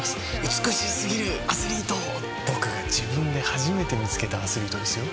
美しすぎるアスリート僕が自分で初めて見つけたアスリートですよ